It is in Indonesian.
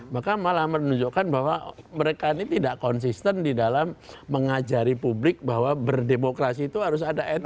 maka malah menunjukkan bahwa mereka ini tidak konsisten di dalam mengajari publik bahwa berdemokrasi itu harus ada etni